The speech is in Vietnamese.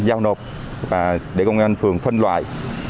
giao nộp để công an phường phân loại